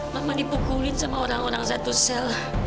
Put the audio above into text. mama dipukulin sama orang orang satu sel